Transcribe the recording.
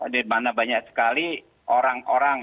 dimana banyak sekali orang orang